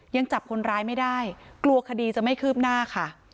ยังจับคนร้ายไม่ได้กลัวคดีจะไม่คืบหน้าค่ะ